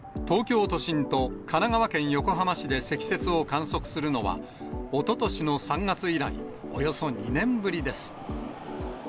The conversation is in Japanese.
東京都心と神奈川県横浜市で積雪を観測するのは、おととしの３月以来、およそ２年ぶりです。